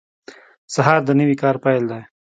سهار د نوي کار پیل دی.